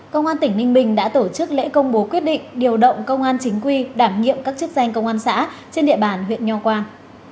công an tỉnh ninh bình đã tổ chức lễ công bố quyết định điều động công an chính quy đảm nhiệm các chức danh công an xã trên địa bàn huyện nho quang